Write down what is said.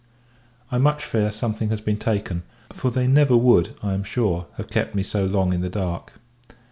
I much fear, something has been taken; for they never would, I am sure, have kept me so long in the dark.